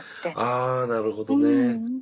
あなるほどね。うん。